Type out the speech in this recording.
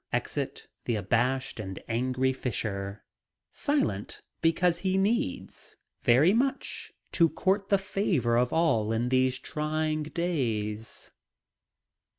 Exit the abashed and angry Fisher, silent because he needs, very much, to court the favor of all in these trying days.